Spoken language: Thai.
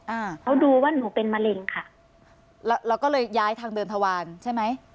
อ่าเขาดูว่าหนูเป็นมะเร็งค่ะเราก็เลยย้ายทางเดินทวารใช่ไหม